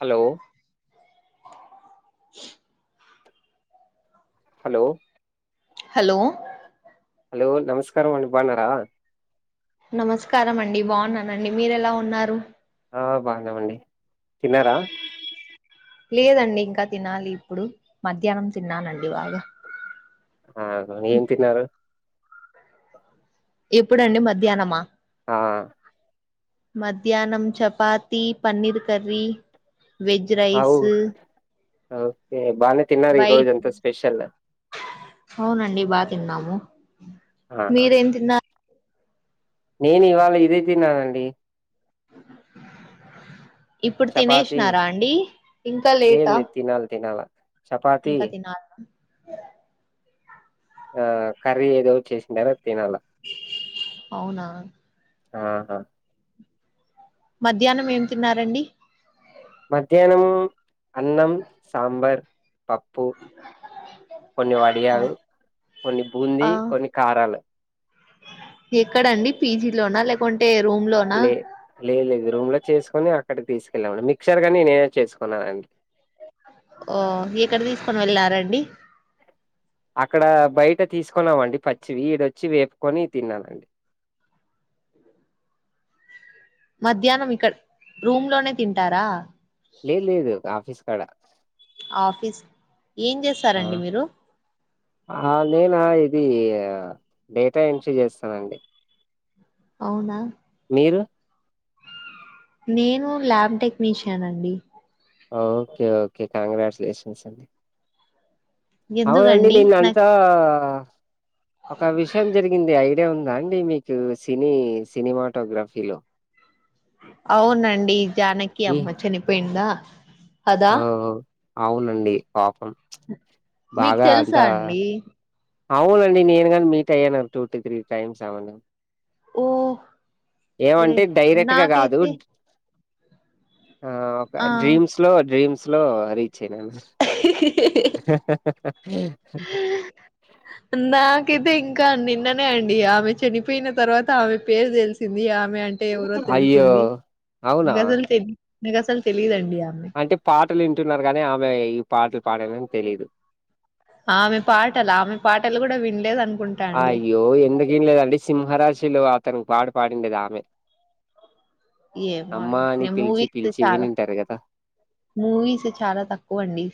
Hello hello hello hello నమస్కారం అండి బాగున్నారా నమస్కారం అండి బాగున్నానండి మీరు ఎలా ఉన్నారు ఆ బాగున్నమండి తిన్నారా లేదండి ఇంకా తినాలి ఇప్పుడు మధ్యాహ్నం తిన్నానండి బాగా అగు ఏం తిన్నారు ఎప్పుడుండి మధ్యాహ్నమా ఆ మధ్యాహ్నం చపాతి పన్నీర్ కర్రీ వెజ్ అవు రైస్ ఓకే బానే తిన్నార ఈ వైట్ రోజు అంతా స్పెషల్ అవునండి బాగా తిన్నాము ఆ మీరేం తిన్నారు నేను ఇవాళ ఇదే తిన్నానండి ఇప్పుడు చపాతి తినేశినారా అండి ఇంకా లేదు లేటా లేదు తినాలి తినాలా ఇంకా తినాలి ఆ కర్రీ ఏదో చేసిందారో తినాల అవునా ఆహా మధ్యాహ్నం ఏం తిన్నారండి మధ్యాహ్నం అన్నం సాంబార్ పప్ ఉప్పు కొన్ని ఓ, వడియాలు కొన్ని ఆ బూందీ కొన్ని కారాలు ఎక్కడండి పీజి లోనా లేకుంటే రూమ్ లోనా లే లేదు లేదు రూమ్ లో చేసుకోని అక్కడ తీసుకెళ్ళామండి మిక్చర్ కాని నేనే చేసుకున్నానండి. ఓ ఎక్కడ తీసుకొని వెళ్ళారండి అక్కడ బయట తీసుకున్నామండి పచ్చివి వీడొచ్చి వేపుకొని తినాలండి. మధ్యాహ్నం ఇక్కడ రూమ్ లోనే తింటారా లేదు లేదు ఆఫీస్ కాడ ఆఫీస్ ఏం ఆ చేస్తారండి మీరు ఆ నేనా ఇది డేటా ఎంట్రీ చేస్తానండి అవునా మీరు నేను ల్యాబ్ టెక్నీషియన్ అండి ఓకే ఓకే కంగ్రాచ్యులేషన్స్ అండి అవునండి ఎందుకండి నిన్న నాకు అంతా ఒక విషయం జరిగింది. ఐడియా ఉందా అండి మీకూ సినీ సినిమాటోగ్రాఫీలో. అవునండి జానకి అమ్మ చనిపోయిందా కదా అవ్ అవు అవునండి పాపం ప్చ్ మీకు బాగా తెలుసా అంతా. అండి అవునండి నేను గాని మీట్ అయ్యాను టూ టు త్రీ టైమ్స్ ఆమెను. ఓ ఏమంటే గ్రేట్ డైరెక్ట్ గా గాదు నాకైతే ఆ ఒక ఆ డ్రీమ్స్ లో డ్రీమ్స్ లో రీచ్ అయినాను. నాకైతే ఇంకా నిన్ననే అండి ఆమె చనిపోయిన తర్వాత ఆమె పేరు తెలిసింది ఆమె అం అంటే ఎవరో అయ్యో తెలిసింది అవునా నాకు అసలు తె నాకు అసలు తెలీదండి ఆమె. అంటే పాటలు వింటున్నారు గానీ ఆమె ఈ పాటలు పాడరని తెలీదు. ఆమె పాటలా ఆమె పాటలు గూడా విన్లేదు అం అయ్యో ఎందుకు ఇన్లేదండి సింహరాశిలో ఆతనికి పాట పాడిందిగి ఆమె. ఏమో అమ్మా అండి అని నేను పిలిచి పిలిచి విని ఉంటారు కదా. మూవీసు చాలా తక్కువ అండి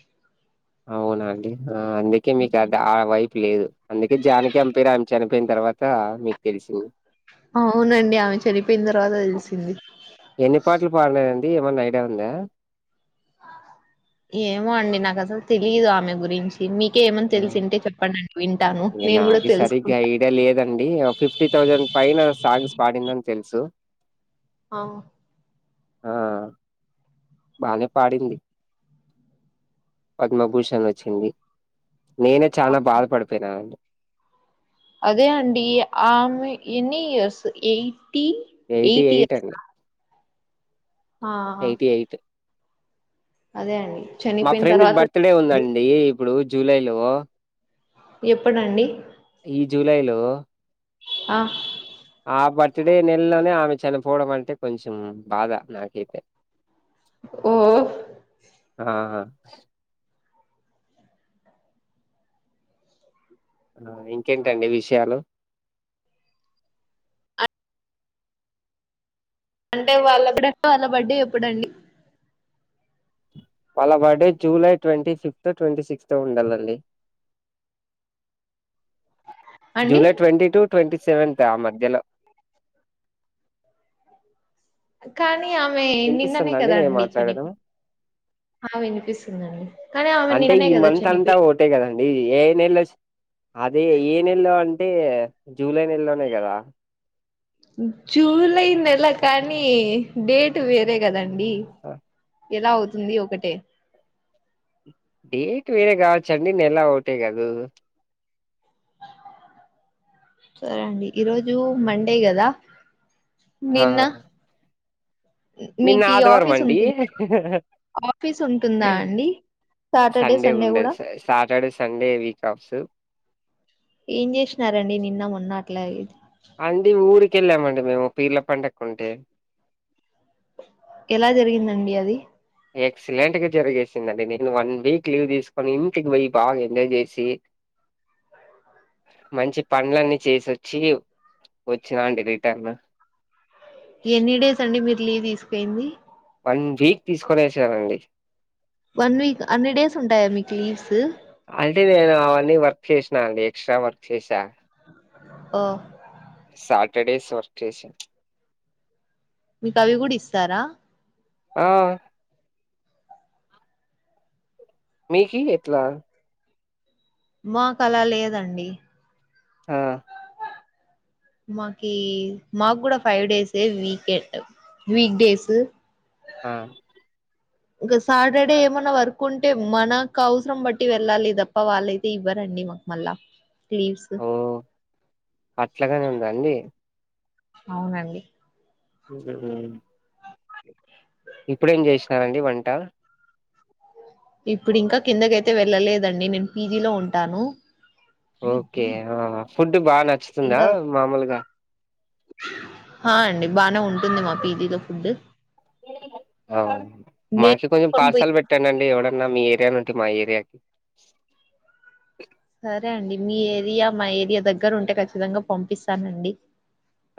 అవునా అండి ఆ అందుకే మీకి అడా ఆడ వైప్. పి లేదు అందుకే జానికి ఆమె పేరు ఆమె చనిపోయిన్ తర్వాతా మీకు తెలిసింది. అవునండి ఆమె చనిపోయిన్ తర్వాత తెలిసింది. ఎన్ని పాటలు పాడినారండి ఏమన్నా ఐడియా ఉందా. ఏమో అండి నాకు అసలు తెలీదు ఆమె గురించి. మీకే ఏమన్న ఆ! తెలిసింటే చెప్పండి అండి వింటాను నేను గూడ తెలుసుకుంటా. ద లేదండీ ఫిఫ్టీ ఆ థౌజండ్ పైన సాంగ్స్ పాడిందని తెలుసు. అ ఆ బానే పాడింది పద్మభూషణ్ వచ్చింది నేనే చానా బాధపడిపోయినానండి. అదే అండీ ఆమె ఎన్నీ ఇయర్స్ ఎయిటీ. ఎయిటీ ఎయిట్ అండి ఆ ఆ! ఎయిటీ ఎయిట్ అదే అండి మా చనిపోయిన ఫ్రెండ్ ది తర్వాత బర్త్ డే తెలిసింది. ఉందండీ ఇప్పుడూ జూలై లో. ఎప్పుడండి ఈ జూలై లో ఆ ఆ బర్త్డే నెలలోనే ఆమె చనిపోవడం అంటే కొంచెం బాధ నాకైతే. ఓ ఆహా ఆ ఇంకేంటండి విషయాలు అంటే వాళ్ళగూడా వాళ్ళ బర్డే ఎప్పుడండి. వాళ్ళ birthday July twenty fifth twenty sixth ఉండాలండి. అండి July twenty two twenty seventh ఆ మధ్యలో కానీ ఆమె నిన్ననే వినిపిస్తుందండి కదా నేను అండి చనిపో మాట్లాడడం ఆ వినిపిస్తుందండి కానీ ఆమె నిన్ననే కదా చనిపోయి అట్టే కదండీ ఏ నెల్లో వచ్చ్ అదే ఏ నెలలో అంటే జూలై నెలలోనే కదా జూలై నెల కానీ డేట్ టు వేరే గదండి ఎలా అవుతుంది ఒకటే. డేట్ వేరే కావచ్చండి నెల ఒకటే కదు సరే అండి ఈరోజు మండే కద ఆ నిన్న నిన్న మీకు ఆదివారం ఆఫీస్ అండి ఉంటుంద ఆఫీస్ ఉంటుందా అండి సాటర్డే సండే కూడ ఉండదు సా సాటర్డే సండే వీక్ ఆఫ్స్ ఏం చేసినారండి నిన్న మొన్న అట్ల అండి ఊరికెళ్ళామండి మేము పీర్ల [unintelligible] ఎలా జరిగిందండి అది ఎక్సలెంట్గా జరిగేసిందిండి నేను వన్ వీక్ లీవ్ తీసుకొని ఇంటికి పోయి బాగా ఎంజాయ్ చేసి మంచి పనుడ్లన్నీ చేసి వొచ్చి వచ్చినా అండి రిటర్న్ ఎన్ని డేస్ అండి మీరు లీవ్ తీసుకోయింది వన్ వీక్ తీసుకొనెస ఆండీ వన్ వీక్ హండ్రెడ్ డేస్ ఉంటాయ మీకు లీవ్స్ అంటే నేను అవన్నీ వర్క్ చేసినా అండి ఎక్స్ట్రా వర్క్ చేస ఓ సాటర్డేస్ వర్క్ చేేస మీకు అవి కూడ ఇస్తార ఆ మీకి ఎట్ల మాకు అలా లేదండి ఆ మాకి మాకు కూడ five days weekend week days ఆ ఇంకా సాటర్డే ఏమన్నా వర్క్ ఉంటే మనకు అవసరం బట్టి వెళ్ళాలి తప్ప వాళ్ళైతే ఇవ్వరండి మ మల్ళ [unintelligible] ఒ అట్లగానే ఉందాండి అవునండి ఉ ఇప్పుడేం చేసినారండి వంట ఇప్పుడు ఇంక కిందకైతే వెళ్ళలేదండి నేను పీజీలో ఉంటాను ఓకే ఫుడ్ బాగా నచ్చుతుందా మామూలుగ ఆ అండి బానే ఉం ఆ మాకి కొంచెం [unintelligible] [unintelligible] ఎవడన్నా మీ ఏరియా నుండి మా ఏరియాకి సరే అండి మీ ఏరియా మా ఏరియా దగ్గర ఉంటే ఖచ్చితంగా పంపిస్తానండి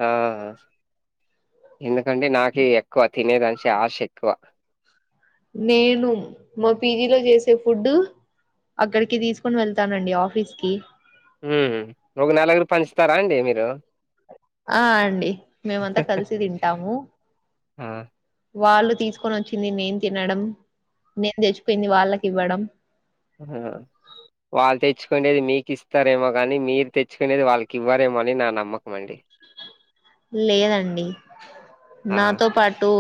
ఆ ఎందుకంటే నాకు ఎక్కువ తినేదానికి ఆశ ఎక్కువ నేను మా పీజీలో చేసే ఫుడ్డు అక్కడికి తీసుకుని వెళ్తానండి ఆఫీస్కి ఒగ నెలగురు పంచుతారా అండి మీరు ఆ అండి మేమంత కలిసి తింటాము ఆ! వాళ్ళు తీసుకొని వచ్చింది నేను తినడం నేను తెచ్చి [unintelligible] వాళ్ళకి ఇవ్వడం ఆ వాళ్ తెచ్చుకోనేది మీకిస్తారేమో గాని మీరు తెచ్చుకునేది వాళ్ళకివ్వారేమో అని నా నమ్మకం అండి అ లేదండి ఆ! నాతో పాటు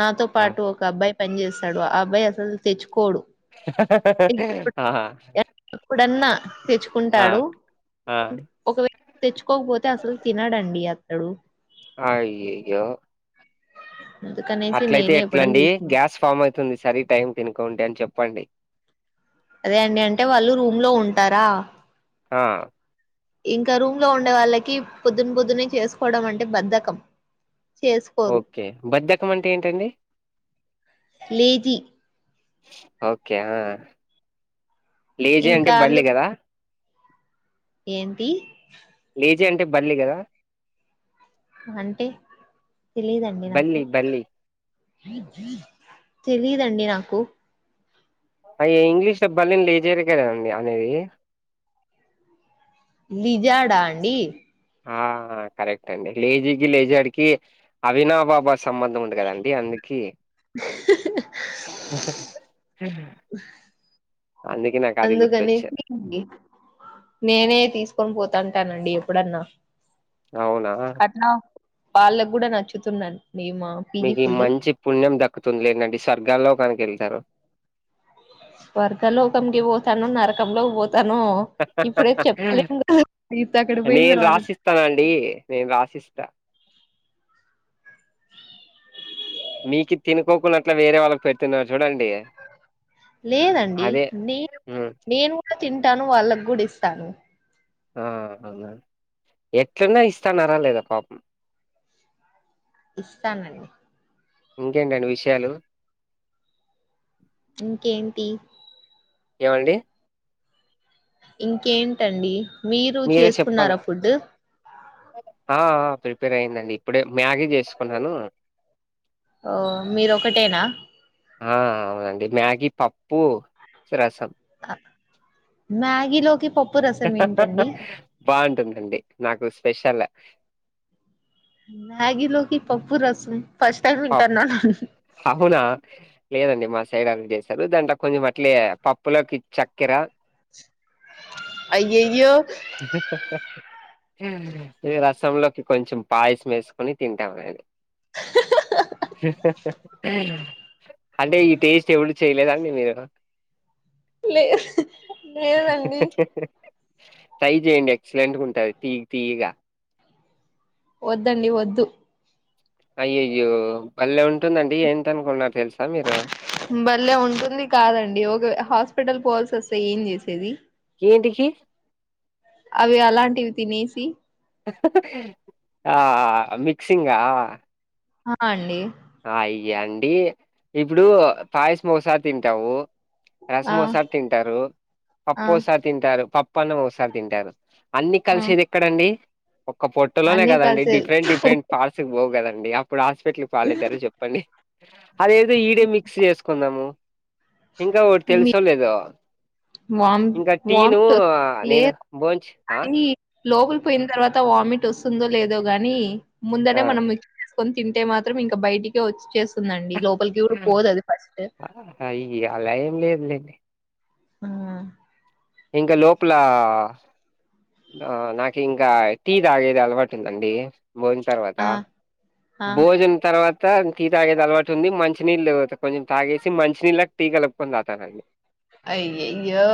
నాతో ఆ! పాటు ఒకబ్బాయ్ పెన్ చేస్తాడు ఆ అబ్బాయ్ అసల్ తెచ్చుకోడు అహ ఇప్పుడన్నా తెచ్చుకుంటాడు ఆ! ఒకవే తెచ్చుకోకపోతే అసల్ తినడండి అత్ డు ఆ యెయ్యో అందుకనేసి అట్లయితే నేనే ఇవ్వడం ఎట్లండి తీసుకున్నా గ్యాస్ ఫామ్ అయితుంది సరీ టైం తినుకుంటే అన్ చెప్పండి అదే అండి అంటే వాళ్ళు రూమ్ లో ఉంటారా ఆ ఇంక రూమ్ లో ఉండే వాళ్ళకి పొద్దున్ పొద్దునే చేసుకోవడం అంటే బద్ధకం చేసుకోరు ఓకే బద్దకం అంట్ ఏంటండి లేది ఓకే అ లేజీ అంటే ఇంకా బల్లె గదా ఏంతి లేజి అంటే బల్లి గదా అంటే తెలిదండి నాకు బల్లి బల్లి తెలిదండి నాకు అయ్యే ఇంగ్లీష్ ల బల్లిన్ లెజెర్ కద అండి అనేది లిజాడా అండి ఆ కరెక్ట్ అండి లేజీకి లేజడ్ కి అవినా బాబా సంబంధం ఉండి కదండి అందుకీ అందుకే నాకది గుర్ అనేసి ఇండి నేనే తీసుకొన్ పోతాంటానండి ఎప్పుడన్నా అవునా అట్నా వాళ్ళగ్గూడా నచ్చుత ండిమా మీకీ మంచి పుణ్యం దక్కుతు లేండండి స్వర్గాల్లోక్కానికెళ్తారు స్వర్గ లోకంకి వోతాను నరకంలో వోత్ తను ఇప్పుడే చెప్పలే ఇతక్కడి పోయిన్ దర్వాది స్తానండి నేన్ రాసిస్త మీకి తినుకోకుంన్నట్ల వేరే వాళ్ళక్ పెతున్నార్ చూడండి లేదండి అదే నే మ్మ్ నేను కూడా తింటాను వాళ్ళగ్గూడ్ ఇస్తాను హా అవునా ఎట్లున్నా ఇస్తాన్నారా లేదా పాపం ఇస్తానని ఇంకేంటండి విషయాలు ఇంకేంటి ఏవండి ఇంకేంటండి మీరు మీరే చెప్పాలా చేసుకున్నారా ఫుడ్ ఆ ఆ ప్రిపేర్ అయిందండి ఇప్పుడే మ్యాగీ చేసుకున్నాను మీరొకటేనా ఆ అవునండి మ్యాగీ పప్పు రసం అ మ్యాగీలోకి పప్పు రసం ఏంటండి బాగుంటుందండి నాకు స్పెషలె మ్యాగి లోకి పప్పు రసం ఫస్ట్ టైమ్ పప్ వింటాన్నా నండి అవునా లేదండి మా సైడ్ అలగె చేస్తారు దాంట్లో కొంచెం అట్లే పప్పులోకి చక్కెర అయ్యయ్యో ఇహ రసంలోకి కొంచెం పాయసం వేసుకొని తింటాం అలాగని [inaudible] [inaudible] అంటే ఈ టేస్ట్ ఎప్పుడు చేయలేదండి మీరైన లే లేదండి [inaudible] ట్రై చేయండి ఎక్సలెంట్గా ఉంటాది తీయ్యి తీయ్యగా వద్దండి వద్దు అయ్యయ్యో బళ్లేె ఉంటుందండి ఏంట నుకున్నారు తెలుసా మీరు బల్లె ఉంటుంది కాదండి ఒక హాస్పిటల్ పోవాల్సి వస్తే ఏం చేసేది ఏంటికి అవి అలాంటివి తినేసి ఆ మిక్సింగా ఆ అండి అయ్యా అండి ఇప్పుడు పాయసం ఒకసారి తింటావు ఆ రసమోసారి తింటారు ఆ పప్పుఒసారి తింటారు పప్పు అన్నం ఒసారి తింటారు అన్ని ఆ కలిసేది ఎక్కడండి ఒక పొట్టలోనే అన్నీ కదండి కలిసే డిఫరెంట్ డిఫరెంట్ ఆస్తుల్ పోవు కదండి అప్పుడు హాస్పిటల్ కి పాాలయితారు చెప్పండి అదేదో ఈడే మిక్స్ చేసుకుందాము ఇంకా ఒకటి మీ తెలుసో లేదో వామ్ ఇంకా టీను వామిట్ వస్ నేను లేదు బోంచ్ ఆ కానీ లోపలి పోయిన తర్వాత వామిట్ వస్తుందో లేదో గాని ముందనే ఆ మనం కొని తింటే మాత్రం ఇంకా బయటికే వచ్చేస్తుందండి లోపలికి కూడా పోదు అది ఫస్ట్ అయ్యా అలా ఏం లేదులేండి మ్ ఇంకా లోపల ఆ నాకు ఇంకా టీ తాగేది అలవాటు ఉందండి భోజన తర్వాత ఆ ఆ భోజన్ తర్వాత టీ తాగేది అలవాటు ఉంది మంచినీళ్ళు తాత కొంచెం తాగేసి మంచినీళ్ళకి టీ కలుపుకుని తాతను అయ్యయ్యో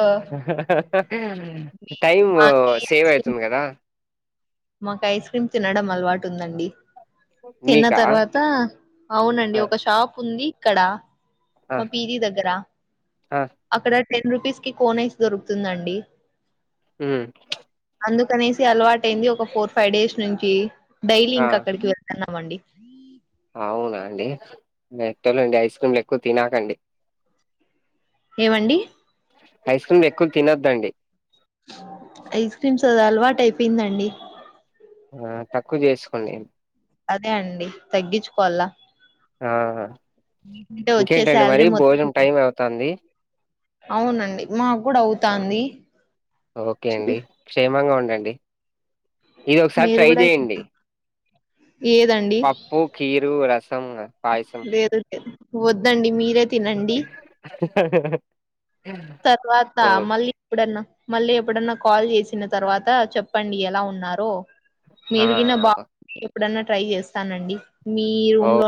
టైమ్ మాకి సేవ్ ఐస్ క్రీమ్ అయితుంది కదా మాకు ఐస్ క్రీమ్ తినడం అలవాటు ఉందండి తిన్న మీకా తర్వాత అవునండి ఆ ఒక షాప్ ఉంది ఇక్కడ మా పీజీ దగ్గర ఆ అక్కడ టెన్ రూపీస్ కి కోనైస్ దొరుకుతుందండి మ్ అందుకనేసి అలవాట అయింది ఒక ఫోర్ ఫైవ్ డేస్ నుంచి డైలీ ఆ ఇంక అక్కడికి వెళ్ తున్నామండి అవునా అండి ఎట్టలండి ఐస్ క్రీమ్లు ఎక్కువ తినకండి ఏమండి ఐస్ క్రీములు ఎక్కువ తినద్దండి ఐస్ క్రీమ్స్ అది అలవాటు అయిపోయిందండి ఆ తక్కువ చేసుకోండి అదే అండి తగ్గించుకోవాలా ఆ అంటే వచ్చే ఇంకేంటండి శాలరీ మరి భోజనం మొత్తం టైం అవుతుంది అవునండి మాకు కూడా అవుతాంది ఓకే చూ అండి క్షేమంగా ఉండండి ఇది ఒకసారి మీరు ట్రై కూడా చేయండి ఏదండి పప్పు కీరు రసం పాయసం లేదు వద్దండి మీరే తినండి తర్వాత ఓ మళ్ళీ ఎప్పుడన్నా మళ్ళీ ఎప్పుడన్నా కాల్ చేసిన తర్వాత చెప్ చెప్పండి ఎలా ఉన్నారో ఆ! మీరుగిన బా [inaudible] ఎప్పుడన్నా ట్రై చేస్తానండి మీ ఓ రూమ్ లో